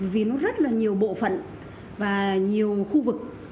vì nó rất là nhiều bộ phận và nhiều khu vực